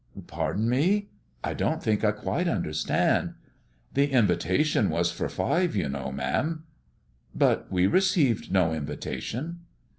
"Pardon me, I don't think I quite understand" "The invitation was for five, you know, ma'am." "But we received no invitation!"